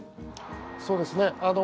そうですね。